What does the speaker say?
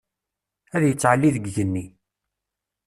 Ad yettɛelli deg igenni.